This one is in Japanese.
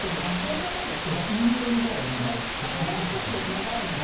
もう少し長いんですね。